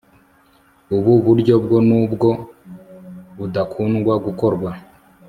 ubu buryo bwo nubwo budakundwa gukorwa